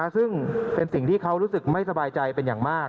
ซึ่งเป็นสิ่งที่เขารู้สึกไม่สบายใจเป็นอย่างมาก